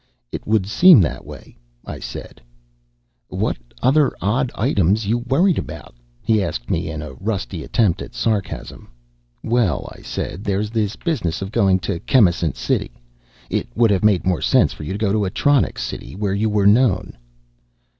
"It would seem that way," I said. "What other odd items you worried about?" he asked me, in a rusty attempt at sarcasm. "Well," I said, "there's this business of going to Chemisant City. It would have made more sense for you to go to Atronics City, where you were known."